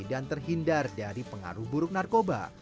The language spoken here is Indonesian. dan terhindar dari pengaruh buruk narkoba